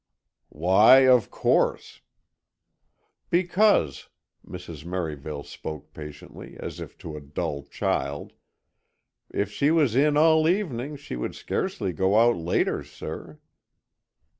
"Why of course?" "Because," Mrs. Merivale spoke patiently, as if to a dull child, "if she was in all evening she would scarcely go out later, sir."